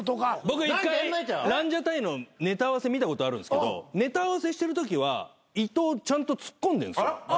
僕１回ランジャタイのネタ合わせ見たことあるんすけどネタ合わせしてるときは伊藤ちゃんとツッコんでるんですよ。